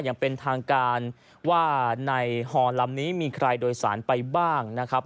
อย่างเป็นทางการว่าในฮอลำนี้มีใครโดยสารไปบ้างนะครับ